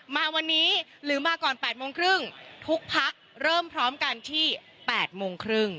มาวันนี้หรือมาก่อน๘โมงครึ่งทุกพักเริ่มพร้อมกันที่๘โมงครึ่ง